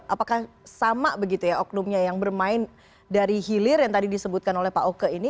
apakah sama begitu ya oknumnya yang bermain dari hilir yang tadi disebutkan oleh pak oke ini